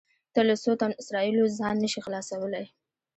ته له څو تنو اسرایلو ځان نه شې خلاصولی.